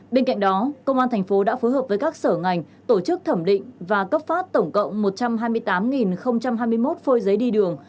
bên cạnh đó công an thành phố đã phối hợp với các sở ngành tổ chức thẩm định và cấp phát tổng cộng một trăm hai mươi tám hai mươi một phôi giấy đi đường